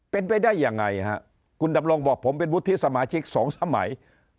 เป็นไปได้ยังไงฮะคุณดำรงบอกผมเป็นวุฒิสมาชิกสองสมัย